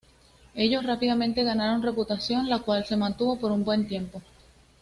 Ellos rápidamente ganaron reputación, la cual se mantuvo por un buen tiempo.